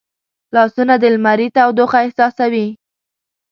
لاسونه د لمري تودوخه احساسوي